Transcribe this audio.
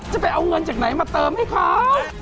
จะเอาเงินจากไหนมาเติมให้เขา